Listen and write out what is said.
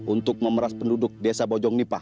untuk memeras penduduk desa bojongnipah